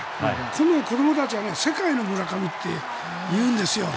今度、子どもたちが世界の村上っていうんですよ。